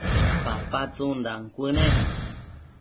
papa tsundan cuënec